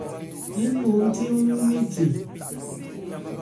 Ń no ńthé ń wu mɛ the.